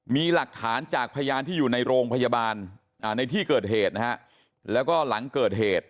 มีหลักฐานจากพยานที่อยู่ในโรงพยาบาลในที่เกิดเหตุนะฮะแล้วก็หลังเกิดเหตุ